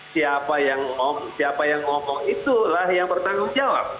siapa yang ngomong siapa yang ngomong itulah yang bertanggung jawab